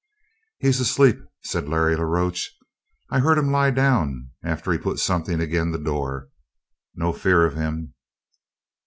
"He's asleep," said Larry la Roche. "I heard him lie down after he'd put something agin' the door. No fear of him."